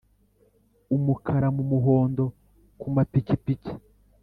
umukara mu muhondo ku mapikipiki